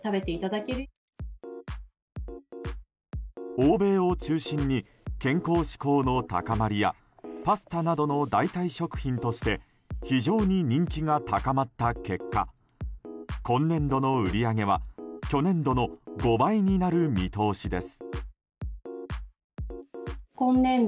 欧米を中心に健康志向の高まりやパスタなどの代替食品として非常に人気が高まった結果今年度の売り上げは去年度の５倍になる見通しです。